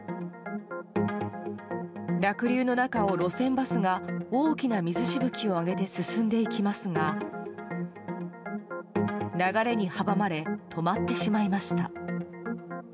濁流の中を、路線バスが大きな水しぶきを上げて進んでいきますが流れに阻まれ止まってしまいました。